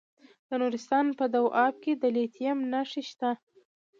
د نورستان په دو اب کې د لیتیم نښې شته.